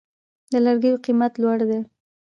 د لرګیو قیمت لوړ دی؟